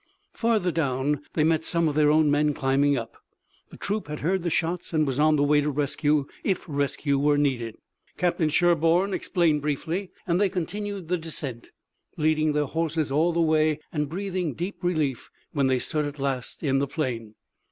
Further down they met some of their own men climbing up. The troop had heard the shots and was on the way to rescue, if rescue were needed. Captain Sherburne explained briefly and they continued the descent, leading their horses all the way, and breathing deep relief, when they stood at last in the plain.